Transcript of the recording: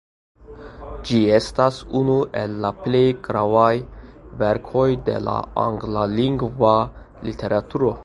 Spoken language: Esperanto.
Ĝi estas unu el la plej gravaj verkoj de la anglalingva literaturo.